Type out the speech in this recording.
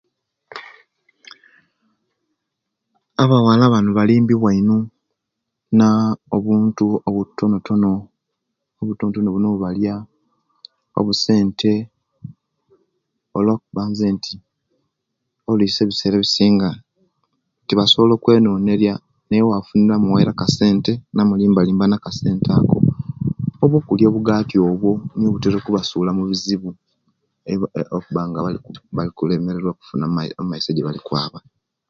Abawala bano balimbiwa ino naa obuntu obutono obutontono buno ebubalya obusente oluwo kuba nzenti oluisi ebisera ebisinga tibasobola okwenoneriya naye obwafuna amuwaire akasente namulimba like mba naka sente oba okulya obugati obwo nibwo obutera okubasula mubizibu okuba nga Bali kulemererua okufuna omaiso yawe ejibali kwaba